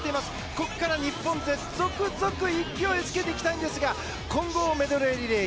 ここから日本勢、続々勢いをつけていきたいんですが混合メドレーリレー。